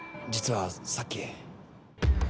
実はさっき。